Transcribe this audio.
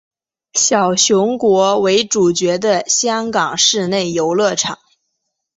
小熊国为主角的香港室内游乐场。